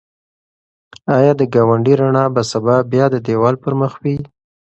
ایا د ګاونډي رڼا به سبا بیا د دېوال پر مخ وي؟